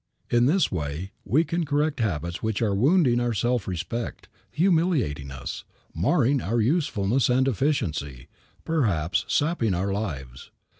In this way we can correct habits which are wounding our self respect, humiliating us, marring our usefulness and efficiency, perhaps sapping our lives.